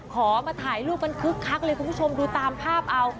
ขอมาถ่ายรูปกันคึกคักเลยคุณผู้ชมดูตามภาพเอา